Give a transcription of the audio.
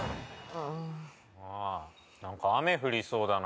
うーん何か雨降りそうだな